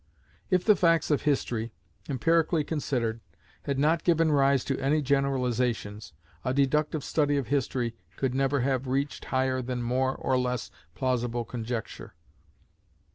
If the facts of history, empirically considered, had not given rise to any generalizations, a deductive study of history could never have reached higher than more or less plausible conjecture.